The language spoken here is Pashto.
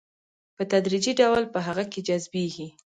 په تدريجي ډول په هغه کې جذبيږي.